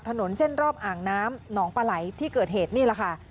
ถนนเส้นรอบอ่างน้ำหนองปลาไหลที่เกิดเหตุนี่แหละค่ะ